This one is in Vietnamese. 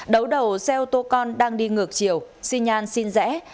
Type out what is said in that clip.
đấu đầu xe ô tô con đang đi ngược chiều xin nhan xin rẽ